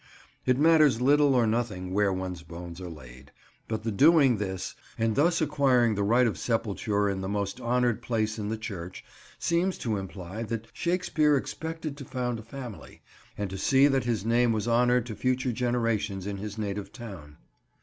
It matters little or nothing where one's bones are laid, but the doing this, and thus acquiring the right of sepulture in the most honoured place in the church, seems to imply that Shakespeare expected to found a family, and to see that his name was honoured to future generations in his native town.